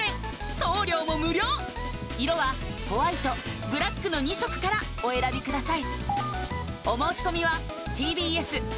送料も無料色はホワイトブラックの２色からお選びください